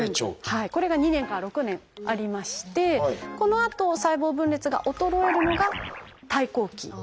これが２年から６年ありましてこのあと細胞分裂が衰えるのが「退行期」。